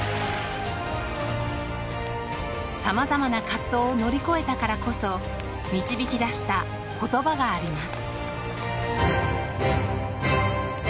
さまざまな葛藤を乗り越えたからこそ導き出した言葉があります